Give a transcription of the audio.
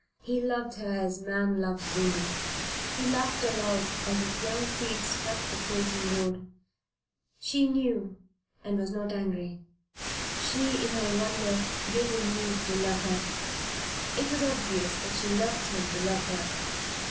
He loved her as man loves woman. He laughed aloud as his young feet struck the frozen road. She knew and was not angry. She, in her wonder, gave him leave to love her. It was obvious that she loved him to love her.